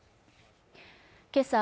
けさ